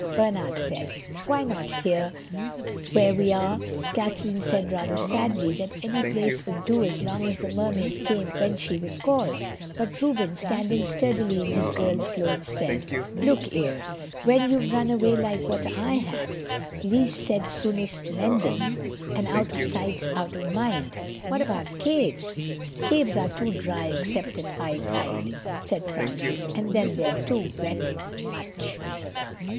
Bernard said, "Why not here where we are?" Kathleen said rather sadly that any place would do as long as the Mermaid came when she was called. But Reuben, standing sturdily in his girl's clothes, said: "Look 'ere. When you've run away like what I have, least said soonest mended, and out of sight's out of mind. What about caves?" "Caves are too dry, except at high tide," said Francis. "And then they're too wet. Much."